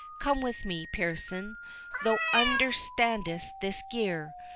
—Come with me, Pearson; thou understandest this gear.